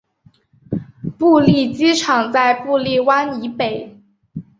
布利机场在布利湾以北。